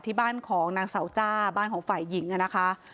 ที่บ้านของนางเสาจ้าบ้านของฝ่ายหญิงนะคะ